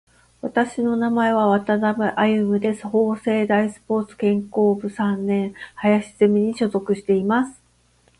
私の名前は渡辺歩です。法政大学スポーツ健康学部三年で林ゼミに所属しています。趣味は車に乗ることで、今は三台目に乗っていて、マニュアル車に乗っています。アメ車に乗っていた経験もあります。